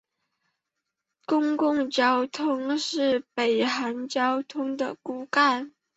公共交通是北韩交通的骨干。